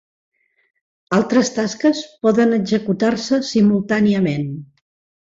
Altres tasques poden executar-se simultàniament.